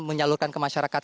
menyalurkan ke masyarakat